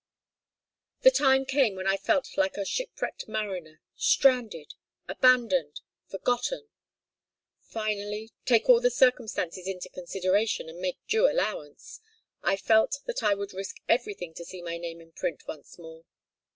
"The time came when I felt like a shipwrecked mariner. Stranded! Abandoned! Forgotten! Finally take all the circumstances into consideration and make due allowance I felt that I would risk everything to see my name in print once more.